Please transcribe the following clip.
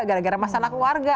gara gara masalah keluarga